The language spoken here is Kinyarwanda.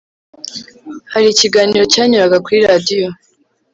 hari ikiganiro cyanyuraga kuri radiyo